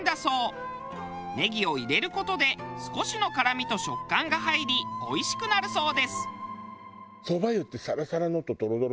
ネギを入れる事で少しの辛みと食感が入りおいしくなるそうです。